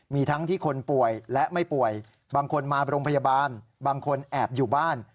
มีทั้งที่คนป่วยและไม่ป่วยบางคนมาโรงพยาบาลบางคนแอบอยู่บ้าน